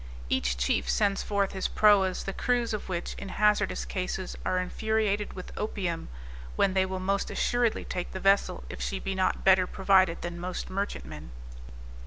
Each chief sends forth his proas, the crews of which, in hazardous cases, are infuriated with opium, when they will most assuredly take the vessel if she be not better provided than most merchantmen.